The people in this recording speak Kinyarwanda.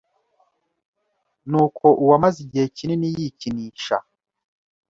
ni uko uwamaze igihe kinini yikinisha